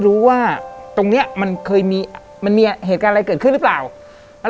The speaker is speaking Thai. อเรนนี่อเรนนี่อเรนนี่อเรนนี่อเรนนี่อเรนนี่